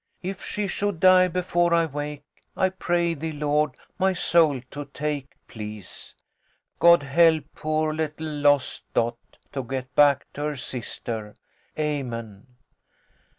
If she should die before I wake, I pray thee, Lord, my soul to take Please, God, help poor little lost Dot to get back to her sister. Amen.